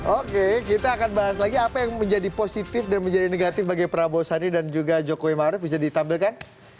oke kita akan bahas lagi apa yang menjadi positif dan menjadi negatif bagi prabowo sandi dan juga jokowi maruf bisa ditampilkan